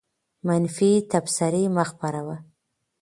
منفي تبصرې مه خپروه.